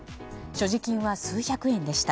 所持金は数百円でした。